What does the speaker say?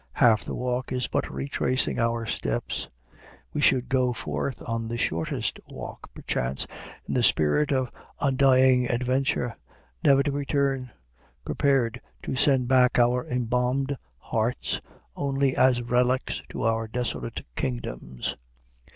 Half the walk is but retracing our steps. We should go forth on the shortest walk, perchance, in the spirit of undying adventure, never to return, prepared to send back our embalmed hearts only as relics to our desolate kingdoms.